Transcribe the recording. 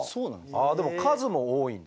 あでも数も多いんですね。